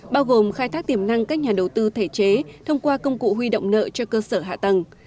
bao gồm khai thác tiềm năng các nhà đầu tư thể chế thông qua công cụ huy động nợ cho cơ sở hạ tầng